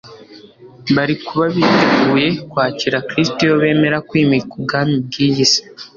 Bari kuba biteguye kwakira Kristo iyo yemera kwimika ubwami bw'iyi si,